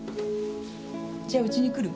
じゃあウチに来る？